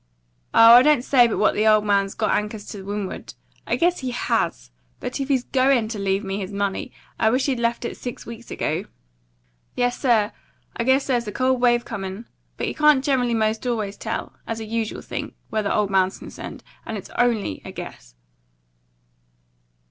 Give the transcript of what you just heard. Oh, I don't say but what the old man's got anchors to windward; guess he HAS; but if he's GOIN' to leave me his money, I wish he'd left it six weeks ago. Yes, sir, I guess there's a cold wave comin'; but you can't generally 'most always tell, as a usual thing, where the old man's concerned, and it's ONLY a guess."